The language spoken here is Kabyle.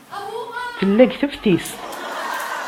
Tella deg teftist.